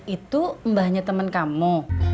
itu mbahnya teman kamu